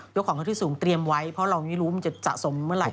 ของเขาที่สูงเตรียมไว้เพราะเราไม่รู้มันจะสะสมเมื่อไหร่